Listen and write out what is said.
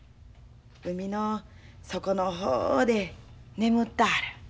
海の底の方で眠ったある。